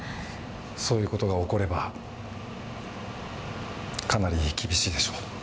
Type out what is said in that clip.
そういう事が起こればかなり厳しいでしょう。